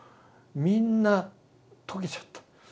みんな解けちゃった。